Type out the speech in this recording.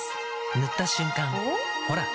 塗った瞬間おっ？